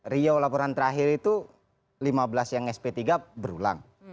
riau laporan terakhir itu lima belas yang sp tiga berulang